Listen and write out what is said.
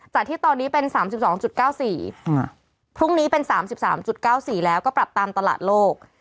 ที่ตอนนี้เป็น๓๒๙๔พรุ่งนี้เป็น๓๓๙๔แล้วก็ปรับตามตลาดโลก